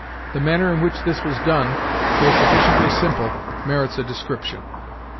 The manner in which this was done, though sufficiently simple, merits a description.